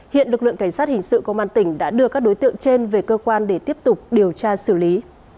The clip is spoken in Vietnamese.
hiện lực lượng cảnh sát hình sự công an tỉnh đã đưa các đối tượng trên về cơ quan để tiếp tục điều tra xử lý